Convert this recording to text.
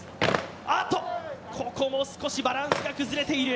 おっと、ここも少しバランスが崩れている。